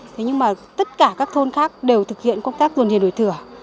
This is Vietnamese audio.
thế nhưng mà tất cả các thôn khác đều thực hiện công tác dồn điền đổi thửa